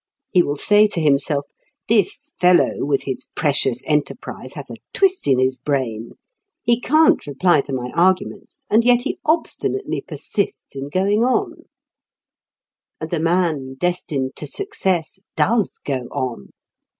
He will say to himself: "This fellow with his precious enterprise has a twist in his brain. He can't reply to my arguments, and yet he obstinately persists in going on." And the man destined to success does go on.